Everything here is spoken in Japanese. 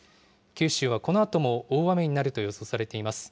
九州はこのあとも大雨になると予想されています。